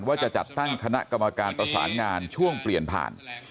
ว่าจะจัดตั้งคณะกรรมการประสานงานช่วงเปลี่ยนผ่าน